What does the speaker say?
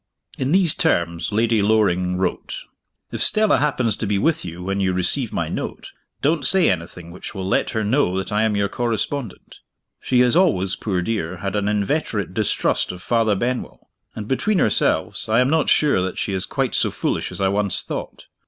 In these terms Lady Loring wrote: "If Stella happens to be with you, when you receive my note, don't say anything which will let her know that I am your correspondent. She has always, poor dear, had an inveterate distrust of Father Benwell; and, between ourselves, I am not sure that she is quite so foolish as I once thought.